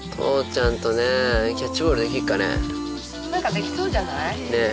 できそうじゃない？